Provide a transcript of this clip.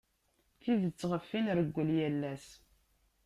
Tidet ɣef i nreggel yal ass.